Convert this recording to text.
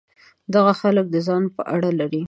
دغه خلک د ځان په اړه لري.